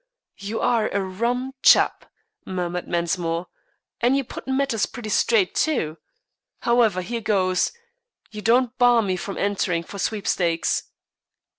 "You are a rum chap," murmured Mensmore, "and you put matters pretty straight, too. However, here goes. You don't bar me from entering for sweepstakes."